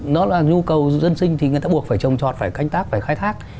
nó là nhu cầu dân sinh thì người ta buộc phải trồng trọt phải canh tác phải khai thác